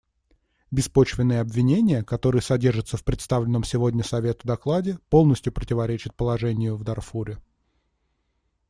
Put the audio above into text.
Беспочвенные обвинения, которые содержатся в представленном сегодня Совету докладе, полностью противоречат положению в Дарфуре.